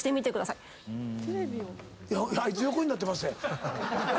あいつ横になってまっせ。